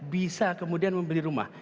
bisa kemudian membeli rumah